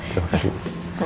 terima kasih bu